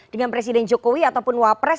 dengan presiden jokowi ataupun wapres